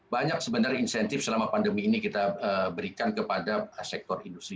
banyak sebenarnya insentif selama pandemi ini kita berikan kepada sektor industri